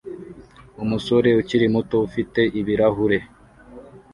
Umusore ukiri muto ufite ibirahure